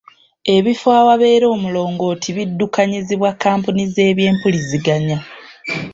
Ebifo awabeera omulongooti biddukanyizibwa Kkampuni z'ebyempuliziganya.